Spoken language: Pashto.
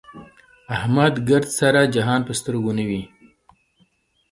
احمد ګردسره جهان په سترګو نه وي.